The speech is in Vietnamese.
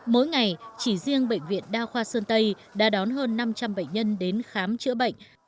mỗi ngày chỉ riêng bệnh viện đa khoa sơn tây đã đón hơn năm trăm linh bệnh nhân đến khám chữa bệnh